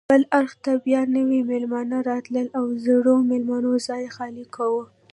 بل اړخ ته بیا نوي میلمانه راتلل او زړو میلمنو ځای خالي کاوه.